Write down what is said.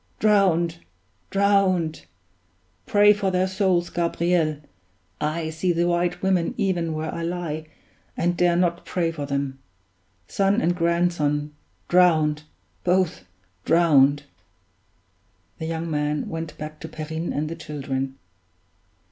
Drowned! drowned! Pray for their souls, Gabriel I see the White Women even where I lie, and dare not pray for them. Son and grandson drowned! both drowned!" The young man went back to Perrine and the children.